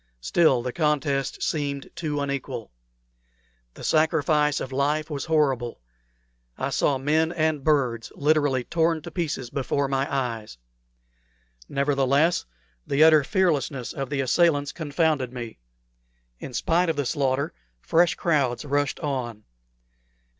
Still, the contest seemed too unequal. The sacrifice of life was horrible. I saw men and birds literally torn to pieces before my eyes. Nevertheless, the utter fearlessness of the assailants confounded me. In spite of the slaughter, fresh crowds rushed on.